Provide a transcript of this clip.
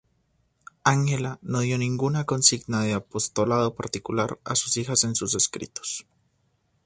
Ángela no dio ninguna consigna de apostolado particular a sus hijas en sus escritos.